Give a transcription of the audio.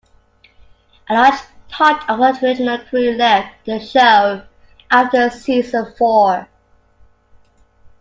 A large part of the original crew left the show after season four.